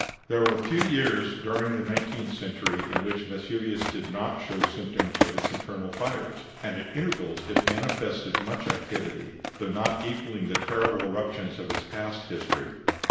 There were few years during the nineteenth century in which Vesuvius did not show symptoms of its internal fires, and at intervals it manifested much activity, though not equaling the terrible eruptions of its past history.